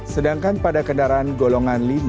sedangkan pada kendaraan golongan lima